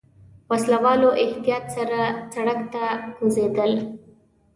وسله والو احتياط سره سړک ته کوزېدل.